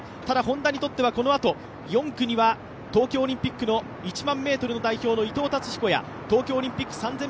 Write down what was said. ただＨｏｎｄａにとってはこのあと、４区には東京オリンピックの１００００ｍの代表の伊藤達彦や東京オリンピック３０００ｍ